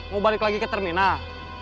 mau balik lagi ke terminal